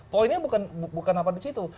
poinnya bukan apa di situ